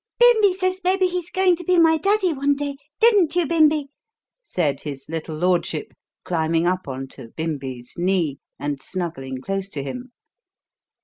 "Bimbi says maybe he's going to be my daddy one day didn't you, Bimbi?" said his little lordship, climbing up on to "Bimbi's" knee and snuggling close to him.